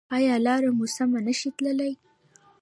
ایا لاره مو سمه نه شئ تللی؟